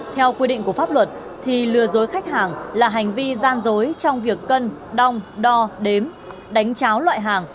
theo quy định của pháp luật thì lừa dối khách hàng là hành vi gian dối trong việc cân đong đo đếm đánh cháo loại hàng